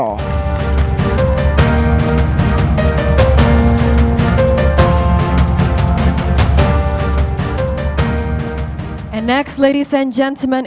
selanjutnya tuan tuan dan pemirsa